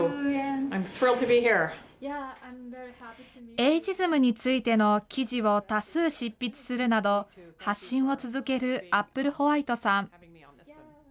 エイジズムについての記事を多数執筆するなど、発信を続けるアップルホワイトさん。